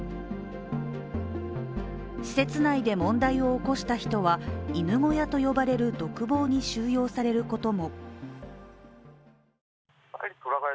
施設内で問題を起こした人は犬小屋と呼ばれる独房に収容されることも。